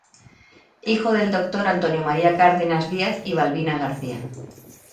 Hijo del doctor Antonio María Cárdenas Díaz y Balbina García.